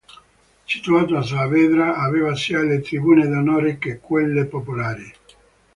Situato a Saavedra, aveva sia le tribune d'onore che quelle popolari.